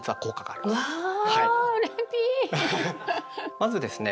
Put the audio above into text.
まずですね